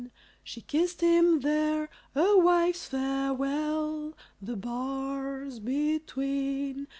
She kissed him there a wife's farewell The bars between.